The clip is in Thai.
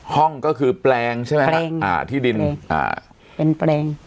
ห้องก็คือแปลงใช่ไหมแปลงอ่าที่ดินอ่าเป็นแปลง